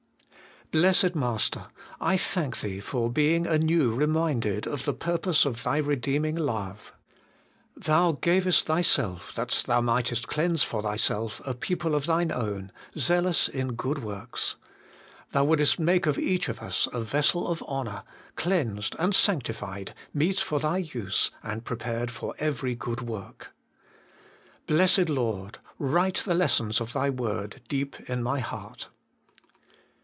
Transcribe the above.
Blessed Master ! I thank Thee for being anew reminded of the purpose of Thy Redeeming Love. Thou gavest Thyself that Thou mightest cleanse for Thyself a people of Thine own, zealous in good works. Thou wouldest make of each of us a vessel of honour, cleansed and sanctified, meet for Thy use, and prepared for every good work. Blessed Lord ! write the lessons of Thy word deep in my heart.